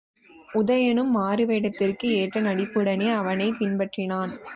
உதயணனும் மாறு வேடத்திற்கு ஏற்ற நடிப்புடனே அவனைப் பின்பற்றினான்.